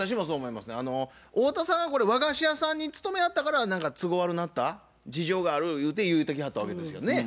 太田さんがこれ和菓子屋さんに勤めはったから何か都合悪なった事情があるゆうて言うてきはったわけですよね。